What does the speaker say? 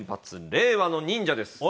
令和の忍者です。